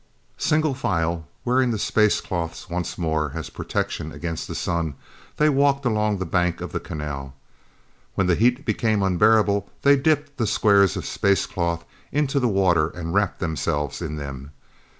Single file, wearing the space cloths once more as protection against the sun, they walked along the bank of the canal. When the heat became unbearable, they dipped the squares of space cloths into the water and wrapped themselves in them.